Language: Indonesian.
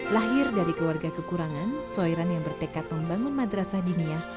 lahir dari keluarga kekurangan soiran yang bertekad membangun madrasah dinia